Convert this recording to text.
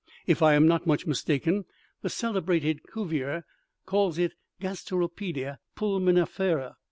If I am not much mistaken, the celebrated Cuvier calls it gasteropeda pulmonifera.